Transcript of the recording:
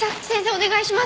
お願いします。